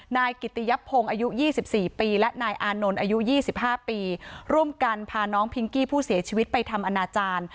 นายกิตตียับพงศ์อายุยี่สิบสี่ปีและนายอานนท์นอนอายุยี่สิบห้าปีร่วมกันพาน้องพิงกี้ผู้เสียชีวิตไปทำอาณาจารย์